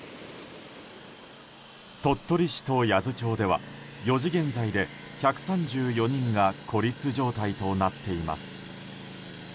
鳥取市と八頭町では４時現在で１３４人が孤立状態となっています。